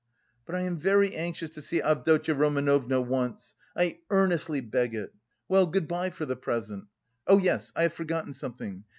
"But I am very anxious to see Avdotya Romanovna once. I earnestly beg it. Well, good bye for the present. Oh, yes. I have forgotten something.